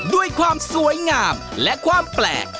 ด้วยความสวยงามและความแปลก